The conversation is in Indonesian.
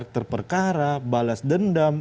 terperkara balas dendam